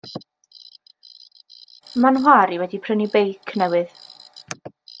Ma'n wha'r i wedi prynu beic newydd.